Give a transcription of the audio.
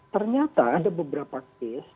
ternyata ada beberapa kes